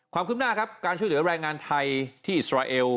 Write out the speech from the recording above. ความคืบหน้าครับการช่วยเหลือแรงงานไทยที่อิสราเอล